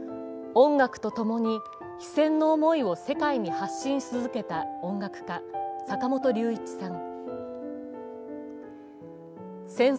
音楽とともに非戦の思いを世界に発信し続けた音楽家・坂本龍一さん。